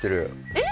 えっ！